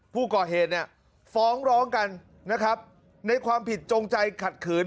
ผู้ก่อเหตุเนี่ยฟ้องร้องกันนะครับในความผิดจงใจขัดขืน